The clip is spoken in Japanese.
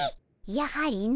やはりの。